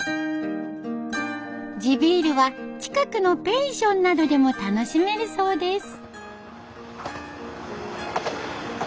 地ビールは近くのペンションなどでも楽しめるそうです。